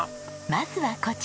まずはこちら。